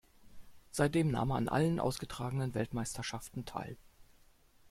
Seitdem nahm er an allen ausgetragenen Weltmeisterschaften teil.